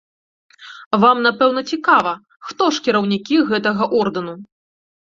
Вам, напэўна, цікава, хто ж кіраўнікі гэтага ордэну?